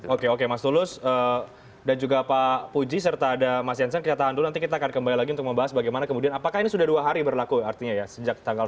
oke oke mas tulus dan juga pak puji serta ada mas jansen kita tahan dulu nanti kita akan kembali lagi untuk membahas bagaimana kemudian apakah ini sudah dua hari berlaku artinya ya sejak tanggal